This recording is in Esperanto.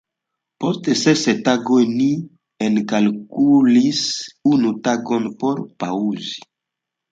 Post ses tagoj ni enkalkulis unu tagon por paŭzi.